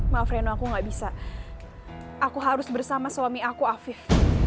maaf reno aku gak bisa aku harus bersama suami aku afif